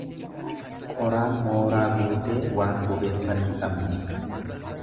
Qoraan mooraa guutee waan bobeeffannu dhabne.